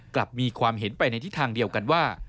กลับมีความเห็นไปในทิศทางเดียวกันว่า